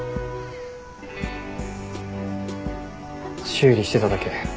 修理してただけ。